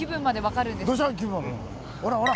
ほらほら！